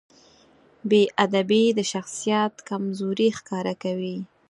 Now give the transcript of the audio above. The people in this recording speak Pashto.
بېادبي د شخصیت کمزوري ښکاره کوي.